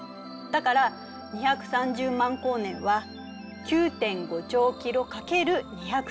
だから２３０万光年は９．５兆キロ×２３０万。